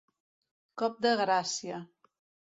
Cop de gràcia.